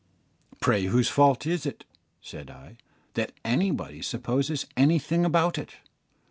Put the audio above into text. "Pray, whose fault is it," said I, "that anybody supposes anything about it?